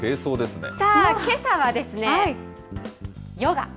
さあ、けさはですね、ヨガ。